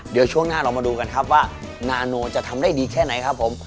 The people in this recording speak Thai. เดี๋ยวช่วงหน้าเรามาดูกันครับว่านาโนจะทำได้ดีแค่ไหนครับผม